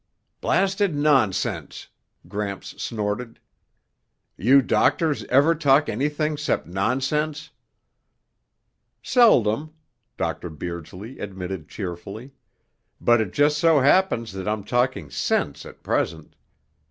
"Blasted nonsense!" Gramps snorted. "You doctors ever talk anything 'cept nonsense?" "Seldom," Dr. Beardsley admitted cheerfully, "but it just so happens that I'm talking sense at present.